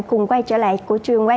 cùng quay trở lại của trường quay